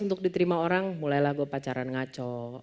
untuk diterima orang mulailah gue pacaran ngaco